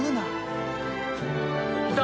いた！